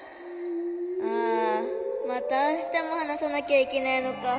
あまたあしたも話さなきゃいけないのか。